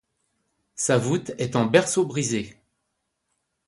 Sa voûte est en berceau brisé.